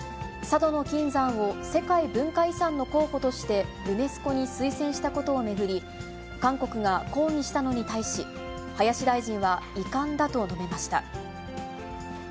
佐渡島の金山を世界文化遺産の候補として、ユネスコに推薦したことを巡り、韓国が抗議したのに対し、林大臣は遺憾だと述べました。